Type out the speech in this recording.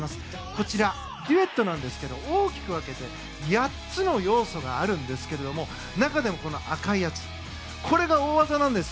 こちら、デュエットなんですが大きく分けて８つの要素があるんですけれども中でも赤いやつこれが大技なんです。